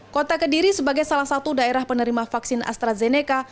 kota kediri sebagai salah satu daerah penerima vaksin astrazeneca